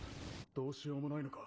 ・どうしようもないのか？